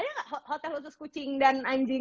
ada hotel khusus kucing dan anjing